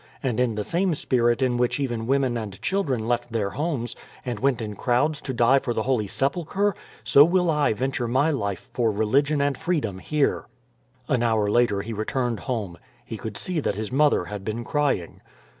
And in the same spirit in which even women and children left their homes, and went in crowds to die for the Holy Sepulchre, so will I venture my life for religion and freedom here." An hour later he returned home; he could see that his mother had been crying.